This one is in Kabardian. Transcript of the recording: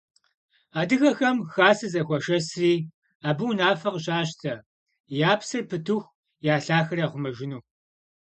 Адыгэхэм хасэ зэхуашэсри, абы унафэ къыщащтэ, я псэр пытыху я лъахэр яхъумэжыну.